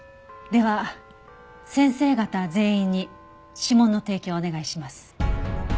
では先生方全員に指紋の提供をお願いします。